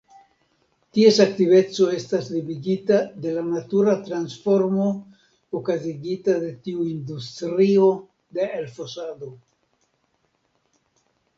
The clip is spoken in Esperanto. Ties aktiveco estas limigita de la natura transformo okazigita de tiu industrio de elfosado.